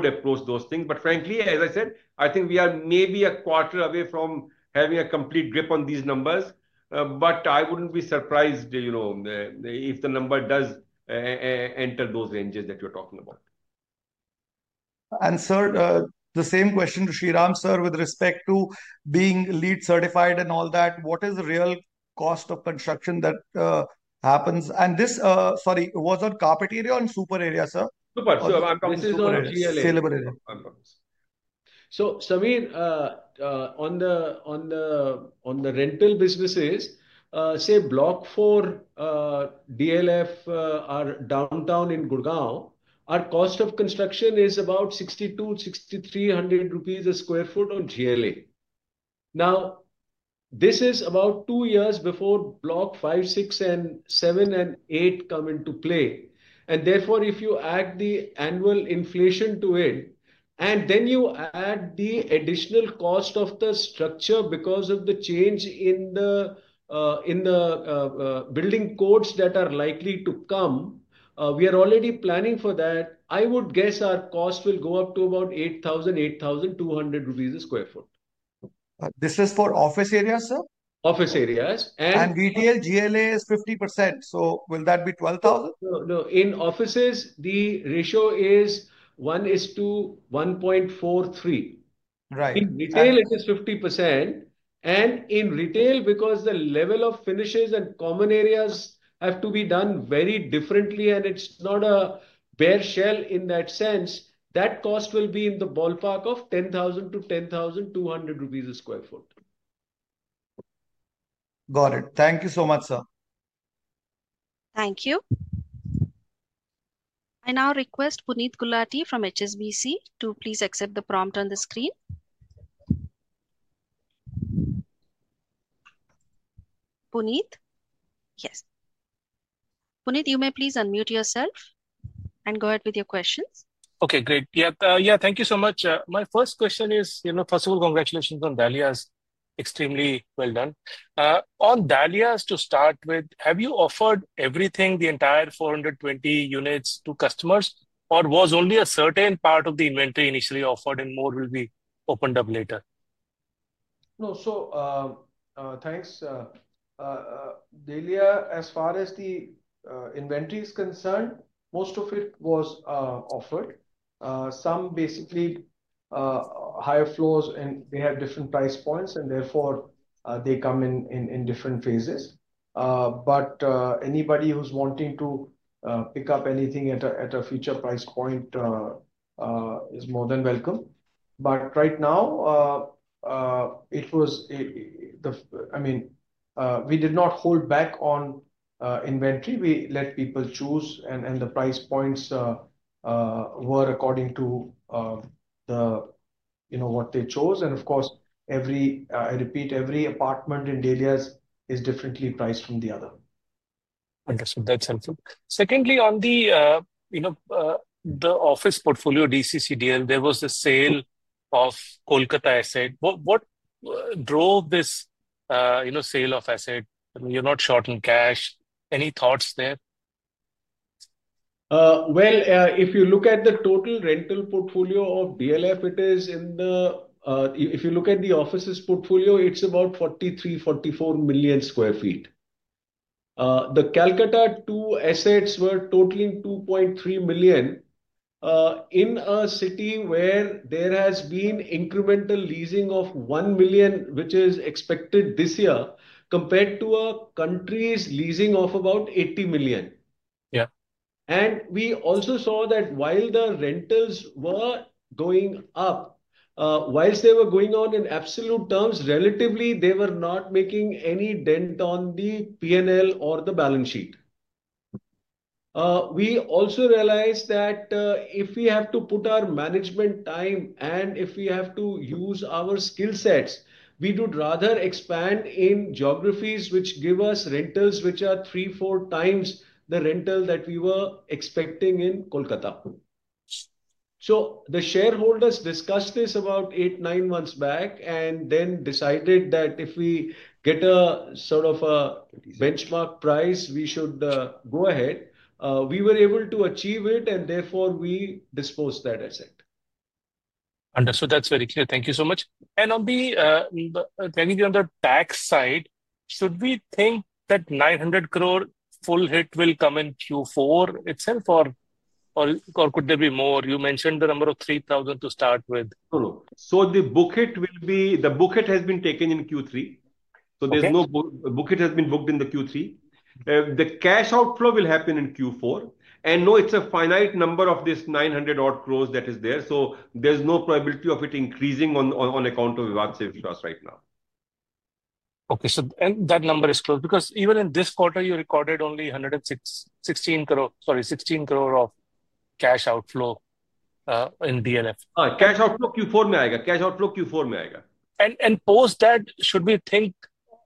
Speaker 2: approach those things. But frankly, as I said, I think we are maybe a quarter away from having a complete grip on these numbers. But I wouldn't be surprised if the number does enter those ranges that you're talking about. And sir, the same question to Sriram sir with respect to being LEED certified and all that, what is the real cost of construction that happens? And this, sorry, was on carpet area or super area, sir? Super. So I'm talking about saleable area. So Sameer, on the rental businesses, say, block 4, DLF, our downtown in Gurgaon, our cost of construction is about 60-6,300 rupees a sq ft on GLA. Now, this is about two years before block 5, 6, and 7 and 8 come into play. And therefore, if you add the annual inflation to it, and then you add the additional cost of the structure because of the change in the building codes that are likely to come, we are already planning for that, I would guess our cost will go up to about 8,000-8,200 rupees per sq ft. This is for office areas, sir? Office areas. And retail GLA is 50%. So will that be 12,000? No, in offices, the ratio is 1:1.43. In retail, it is 50%. And in retail, because the level of finishes and common areas have to be done very differently, and it's not a bare shell in that sense, that cost will be in the ballpark of 10,000-10,200 rupees per sq ft.
Speaker 10: Got it. Thank you so much, sir.
Speaker 1: Thank you. I now request Puneet Gulati from HSBC to please accept the prompt on the screen. Puneet? Yes. Puneet, you may please unmute yourself and go ahead with your questions.
Speaker 11: Okay, great. Yeah, thank you so much. My first question is, first of all, congratulations on Dahlias. Extremely well done. On Dahlias, to start with, have you offered everything, the entire 420 units to customers, or was only a certain part of the inventory initially offered and more will be opened up later?
Speaker 2: No, so thanks. Dahlias, as far as the inventory is concerned, most of it was offered. Some basically higher floors, and they have different price points, and therefore, they come in different phases. But anybody who's wanting to pick up anything at a future price point is more than welcome. But right now, it was, I mean, we did not hold back on inventory. We let people choose, and the price points were according to what they chose. And of course, I repeat, every apartment in Dahlias' is differently priced from the other. Thank you.
Speaker 11: That's helpful. Secondly, on the office portfolio, DCCDL, there was a sale of Kolkata asset. What drove this sale of asset? You're not short on cash. Any thoughts there?
Speaker 2: If you look at the total rental portfolio of DLF, it is in the, if you look at the offices portfolio, it's about 43-44 million sq ft. The Kolkata two assets were totaling 2.3 million sq ft in a city where there has been incremental leasing of 1 million, which is expected this year, compared to a country's leasing of about 80 million. We also saw that while the rentals were going up, while they were going on in absolute terms, relatively, they were not making any dent on the P&L or the balance sheet. We also realized that if we have to put our management time and if we have to use our skill sets, we would rather expand in geographies which give us rentals which are 3-4 times the rental that we were expecting in Kolkata. The shareholders discussed this about eight, nine months back and then decided that if we get a sort of a benchmark price, we should go ahead. We were able to achieve it, and therefore, we disposed that asset.
Speaker 11: Understood. That's very clear. Thank you so much. And on the tax side, should we think that 900 crore full hit will come in Q4 itself, or could there be more? You mentioned the number of 3,000 to start with.
Speaker 2: The book has been taken in Q3. The book has been booked in the Q3. The cash outflow will happen in Q4. No, it's a finite number of this 900 odd crores that is there. There's no probability of it increasing on account of Vivad Se Vishwas right now. Okay, and that number is closed because even in this quarter, you recorded only 116 crore of cash outflow in DLF.
Speaker 11: Cash outflow Q4 may I get? Post that, should we think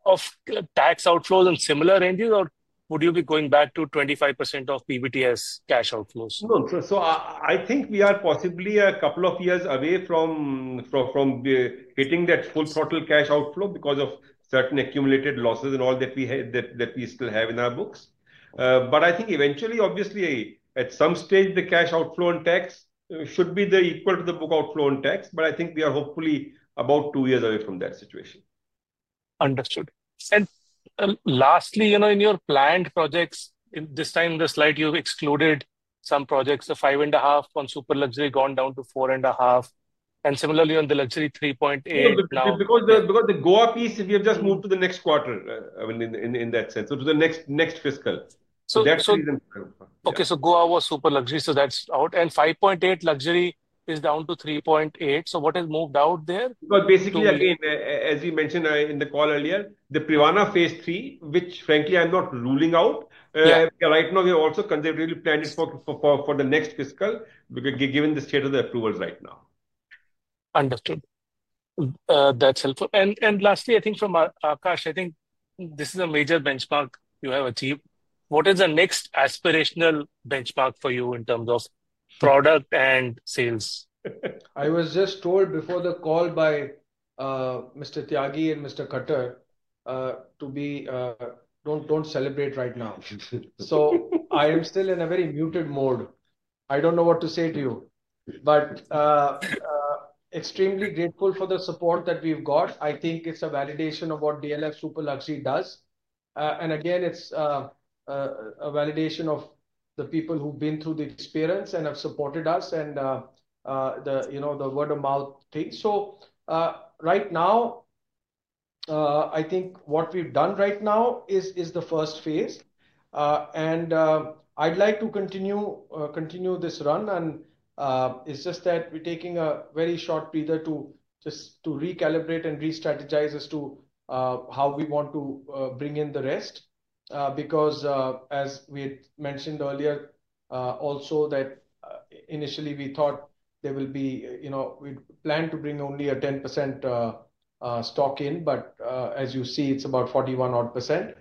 Speaker 11: of tax outflows and similar ranges, or would you be going back to 25% of PBTS cash outflows?
Speaker 2: No. So I think we are possibly a couple of years away from hitting that full throttle cash outflow because of certain accumulated losses and all that we still have in our books. But I think eventually, obviously, at some stage, the cash outflow and tax should be equal to the book outflow and tax. But I think we are hopefully about two years away from that situation.
Speaker 11: Understood. And lastly, in your planned projects, this time in the slide, you've excluded some projects, the 5.5 on super luxury gone down to 4.5. And similarly, on the luxury 3.8.
Speaker 2: Because the Goa piece, we have just moved to the next quarter, I mean, in that sense, so to the next fiscal.
Speaker 11: Okay. So Goa was super luxury, so that's out. And 5.8 luxury is down to 3.8. So what has moved out there?
Speaker 2: Basically, again, as you mentioned in the call earlier, the Privana phase three, which frankly, I'm not ruling out. Right now, we're also conservatively planning for the next fiscal given the state of the approvals right now.
Speaker 11: Understood. That's helpful. And lastly, I think from Aakash, I think this is a major benchmark you have achieved. What is the next aspirational benchmark for you in terms of product and sales?
Speaker 2: I was just told before the call by Mr. Tyagi and Mr. Khattar not to celebrate right now, so I am still in a very muted mode. I don't know what to say to you but extremely grateful for the support that we've got. I think it's a validation of what DLF super luxury does and again, it's a validation of the people who've been through the experience and have supported us and the word-of-mouth thing so right now, I think what we've done right now is the first phase and I'd like to continue this run and it's just that we're taking a very short breather to just recalibrate and restrategize as to how we want to bring in the rest because as we had mentioned earlier, also that initially, we thought there will be we planned to bring only a 10% stock in. But as you see, it's about 41 odd %.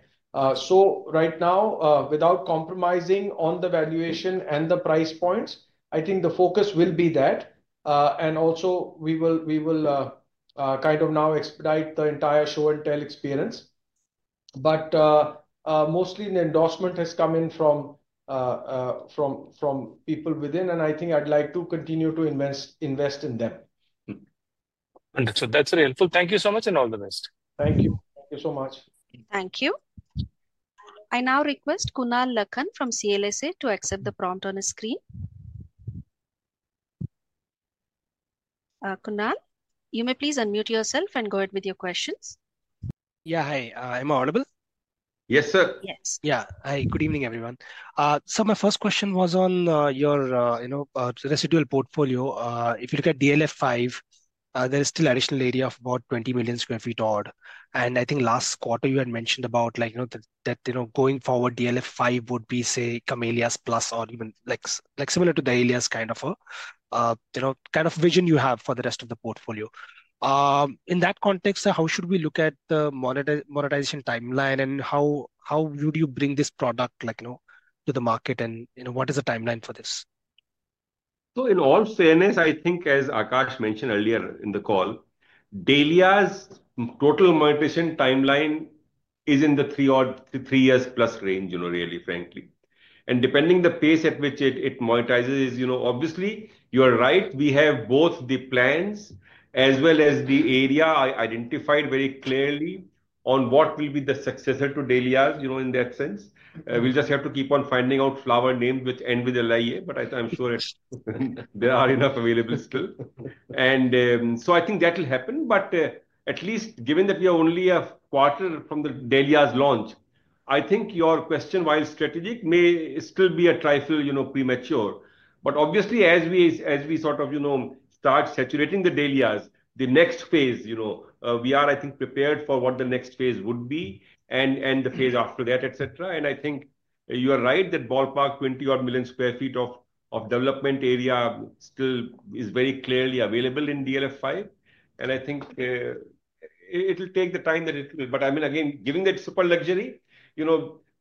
Speaker 2: So right now, without compromising on the valuation and the price points, I think the focus will be that. And also, we will kind of now expedite the entire show and tell experience. But mostly, the endorsement has come in from people within. And I think I'd like to continue to invest in them.
Speaker 11: Understood. That's very helpful. Thank you so much and all the best.
Speaker 2: Thank you. Thank you so much.
Speaker 1: Thank you. I now request Kunal Lakhan from CLSA to accept the prompt on the screen. Kunal, you may please unmute yourself and go ahead with your questions.
Speaker 12: Yeah. Hi. Am I audible?
Speaker 2: Yes, sir.
Speaker 1: Yes.
Speaker 12: Hi. Good evening, everyone. My first question was on your residual portfolio. If you look at DLF 5, there is still additional area of about 20 million sq ft odd. I think last quarter, you had mentioned about that going forward, DLF 5 would be, say, Camellias plus or even similar to Dahlias kind of a vision you have for the rest of the portfolio. In that context, how should we look at the monetization timeline and how would you bring this product to the market and what is the timeline for this?
Speaker 2: In all fairness, I think, as Aakash mentioned earlier in the call, Dahlias' total monetization timeline is in the three years plus range, really, frankly. Depending on the pace at which it monetizes, obviously, you are right. We have both the plans as well as the area identified very clearly on what will be the successor to Dahlias' in that sense. We just have to keep on finding out flower names which end with LIA, but I'm sure there are enough available still. So I think that will happen. But at least given that we are only a quarter from the Dahlias' launch, I think your question while strategic may still be a trifle premature. But obviously, as we sort of start saturating the Dahlias', the next phase, we are, I think, prepared for what the next phase would be and the phase after that, etc. I think you are right that ballpark 20 million sq ft of development area still is very clearly available in DLF 5. And I think it'll take the time that it will. But I mean, again, given that super luxury,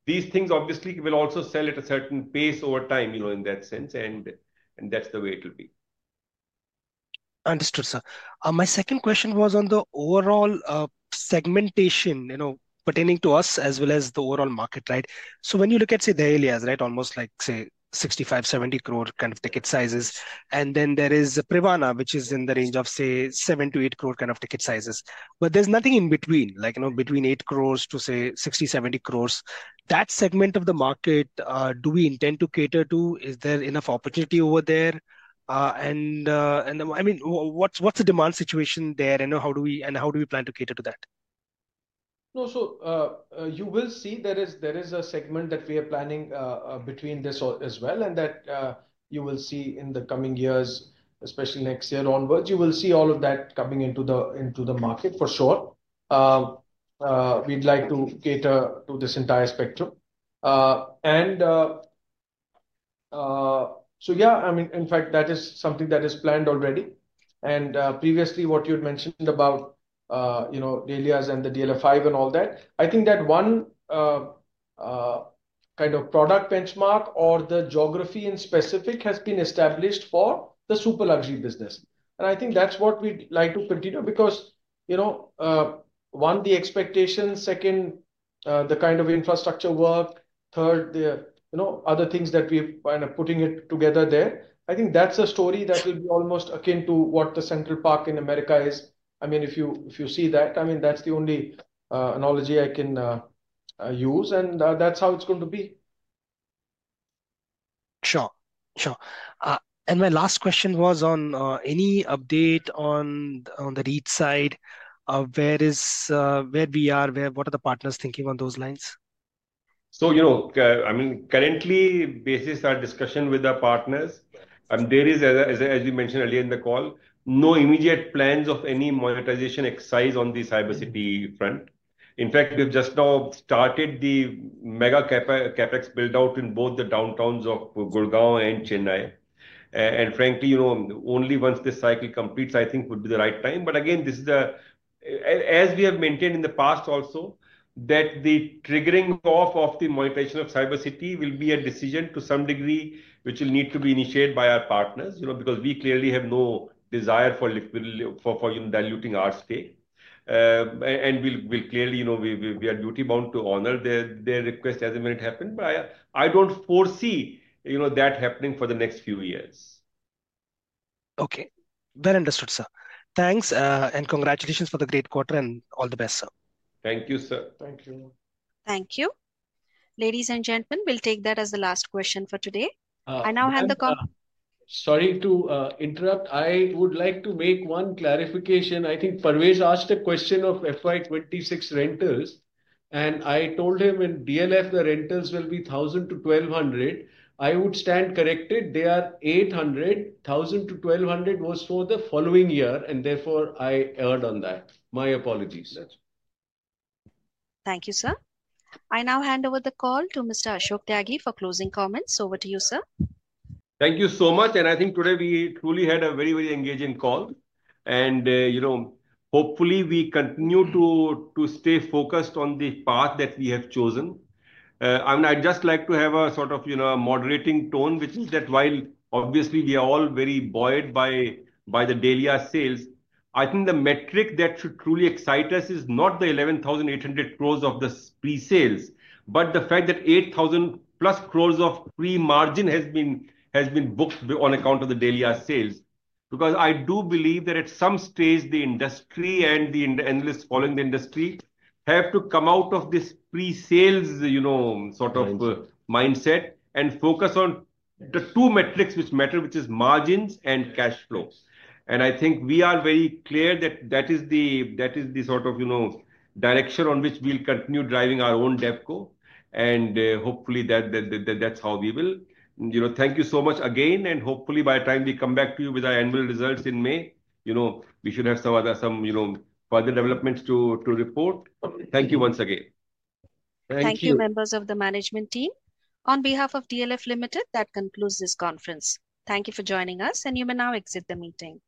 Speaker 2: these things obviously will also sell at a certain pace over time in that sense. And that's the way it will be.
Speaker 12: Understood, sir. My second question was on the overall segmentation pertaining to us as well as the overall market, right? So when you look at, say, Dahlias, right, almost like, say, 65-70 crore kind of ticket sizes. And then there is Privana, which is in the range of, say, 7-8 crore kind of ticket sizes. But there's nothing in between, like between 8 crores to, say, 60-70 crores. That segment of the market, do we intend to cater to? Is there enough opportunity over there? And I mean, what's the demand situation there? And how do we plan to cater to that?
Speaker 2: No, so you will see there is a segment that we are planning between this as well. And that you will see in the coming years, especially next year onwards. You will see all of that coming into the market for sure. We'd like to cater to this entire spectrum. And so yeah, I mean, in fact, that is something that is planned already. And previously, what you had mentioned about Dahlias and the DLF 5 and all that, I think that one kind of product benchmark or the geography in specific has been established for the super luxury business. And I think that's what we'd like to continue because one, the expectations, second, the kind of infrastructure work, third, other things that we're kind of putting it together there. I think that's a story that will be almost akin to what the Central Park in America is. I mean, if you see that, I mean, that's the only analogy I can use, and that's how it's going to be.
Speaker 12: Sure. Sure. And my last question was on any update on the REIT side, where we are, what are the partners thinking on those lines?
Speaker 2: So I mean, currently, basically our discussion with our partners, there is, as you mentioned earlier in the call, no immediate plans of any monetization exercise on the Cyber City front. In fact, we've just now started the mega CapEx build-out in both the Downtowns of Gurgaon and Chennai. And frankly, only once this cycle completes, I think, would be the right time. But again, as we have maintained in the past also, that the triggering off of the monetization of Cyber City will be a decision to some degree which will need to be initiated by our partners because we clearly have no desire for diluting our stake. And we'll clearly, we are duty-bound to honor their request as it may happen. But I don't foresee that happening for the next few years.
Speaker 12: Okay. Very understood, sir. Thanks and congratulations for the great quarter and all the best, sir.
Speaker 2: Thank you, sir.
Speaker 1: Thank you. Thank you. Ladies and gentlemen, we'll take that as the last question for today. I now have the call.
Speaker 2: Sorry to interrupt. I would like to make one clarification. I think Parvez asked a question of FY26 rentals, and I told him in DLF, the rentals will be 1,000-1,200. I would stand corrected. They are 800. 1,000-1,200 was for the following year, and therefore, I erred on that. My apologies.
Speaker 1: Thank you, sir. I now hand over the call to Mr. Ashok Tyagi for closing comments. Over to you, sir.
Speaker 4: Thank you so much. I think today we truly had a very, very engaging call. Hopefully, we continue to stay focused on the path that we have chosen. I mean, I'd just like to have a sort of moderating tone, which is that while obviously, we are all very buoyed by the Dahlias sales, I think the metric that should truly excite us is not the 11,800 crores of the pre-sales, but the fact that 8,000+ crores of pre-margin has been booked on account of the Dahlias sales. Because I do believe that at some stage, the industry and the analysts following the industry have to come out of this pre-sales sort of mindset and focus on the two metrics which matter, which is margins and cash flow. I think we are very clear that that is the sort of direction on which we'll continue driving our own DLF's growth. Hopefully, that's how we will. Thank you so much again. Hopefully, by the time we come back to you with our annual results in May, we should have some further developments to report. Thank you once again.
Speaker 1: Thank you, members of the management team. On behalf of DLF Limited, that concludes this conference. Thank you for joining us. And you may now exit the meeting.